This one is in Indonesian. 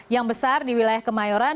yang besar di wilayah kemayoran